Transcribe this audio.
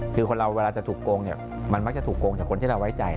คือคนเราเวลาจะถูกโกงเนี่ยมันมักจะถูกโกงจากคนที่เราไว้ใจ